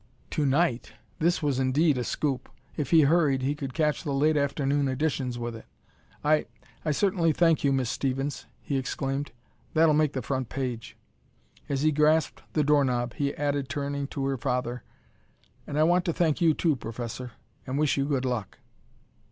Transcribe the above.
To night! This was indeed a scoop! If he hurried, he could catch the late afternoon editions with it. "I I certainly thank you, Miss Stevens!" he exclaimed. "That'll make the front page!" As he grasped the door knob, he added, turning to her father: "And I want to thank you too, Professor and wish you good luck!"